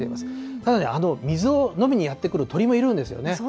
ただね、水を飲みにやって来る鳥もいるんですよね。